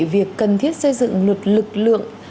việc cần thiết xây dựng luật lực lượng